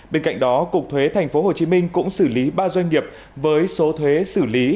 bên cạnh đó cục thuế tp hcm cũng xử lý ba doanh nghiệp với số thuế xử lý